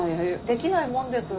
できないもんです。